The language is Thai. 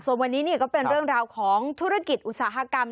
ส่วนวันนี้ก็เป็นเรื่องราวของธุรกิจอุตสาหกรรม